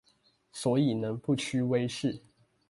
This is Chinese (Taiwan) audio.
所以能不屈威勢